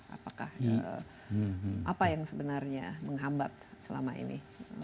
apakah apa yang sebenarnya menghambat selama ini